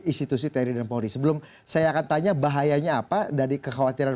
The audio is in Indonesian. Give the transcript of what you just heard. ingg gradeh par lu seing er reporting s drama pada kensimu bagaimana kelakangan berabadan